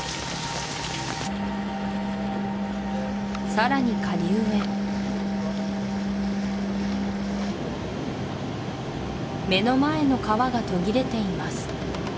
さらに下流へ目の前の川が途切れています